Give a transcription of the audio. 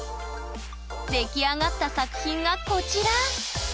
出来上がった作品がこちら！